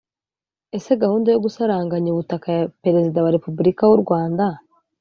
Ese Gahunda yo gusaranganya ubutaka ya Perezida wa Repubulika w’u Rwanda